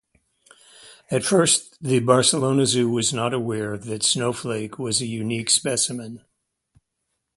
At first, the Barcelona Zoo was not aware that Snowflake was a unique specimen.